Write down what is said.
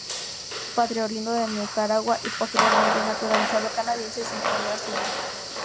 Su padre, oriundo de Nicaragua y posteriormente naturalizado canadiense, es ingeniero civil.